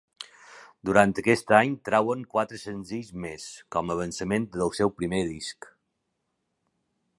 Durant aquest any trauen quatre senzills més, com a avançament del seu primer disc.